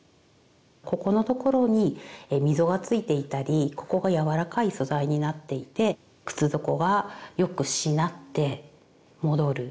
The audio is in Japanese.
ここのところに溝がついていたりここがやわらかい素材になっていて靴底はよくしなって戻る。